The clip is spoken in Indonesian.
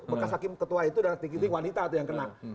bekas hakim ketua itu dan tinggi tinggi wanita yang kenang